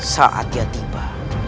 saat dia tiba